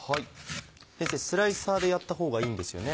先生スライサーでやった方がいいんですよね？